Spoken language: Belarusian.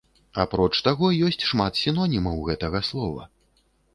Апроч таго, ёсць шмат сінонімаў гэтага слова.